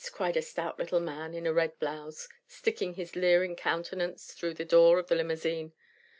cried a stout little man in a red blouse, sticking his leering countenance through the door of the limousine.